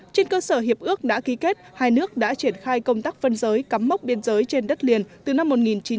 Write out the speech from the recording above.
trên cơ sở hiệp ước đã ký kết hai nước đã triển khai công tác phân giới cắm mốc biên giới trên đất liền từ năm một nghìn chín trăm tám mươi